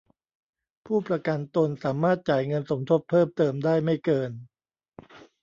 ผู้ประกันตนสามารถจ่ายเงินสมทบเพิ่มเติมได้ไม่เกิน